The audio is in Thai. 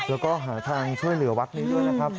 แล้วก็หาทางช่วยเหลือวัดนี้ด้วยนะครับ